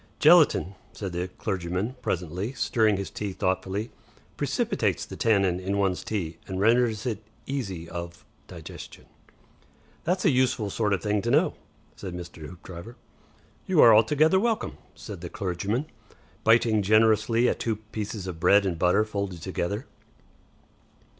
"Gelatine," said the clergyman, presently, stirring his tea thoughtfully, "precipitates the tannin in one's tea and renders it easy of digestion." "That's a useful sort of thing to know," said Mr. Hoopdriver. "You are altogether welcome," said the clergyman, biting generously at two pieces of bread and butter folded together.